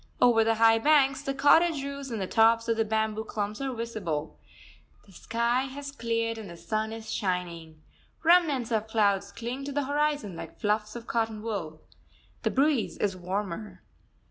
Over the high banks, the cottage roofs and the tops of the bamboo clumps are visible. The sky has cleared and the sun is shining. Remnants of clouds cling to the horizon like fluffs of cotton wool. The breeze is warmer.